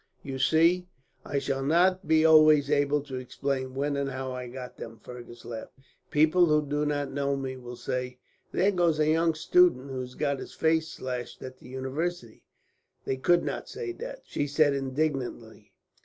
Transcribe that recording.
"You see, I shall not be always able to explain when and how I got them," Fergus laughed. "People who do not know me will say: "'There goes a young student, who has got his face slashed at the university.'" "They could not say that," she said indignantly.